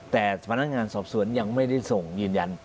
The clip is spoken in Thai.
แต่พนักงานสอบสวนยังไม่ได้ส่งยืนยัน